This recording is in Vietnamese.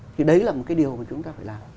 thì đấy là một cái điều mà chúng ta phải làm